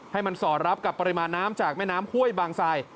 ให้มันสอดรับกับปริมาณน้ำจากแม่น้ำห้วยบางทราย